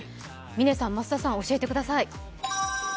嶺さん、増田さん、教えてください。